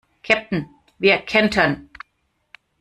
Käpt'n, wir kentern!